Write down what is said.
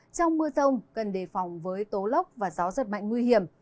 trong mưa rông cần đề phòng với tố lốc và gió giật mạnh nguy hiểm